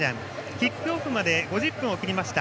キックオフまで５０分を切りました。